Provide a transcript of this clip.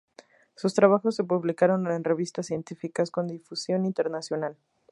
Sus trabajos se publicaron en revistas científicas con difusión internacional.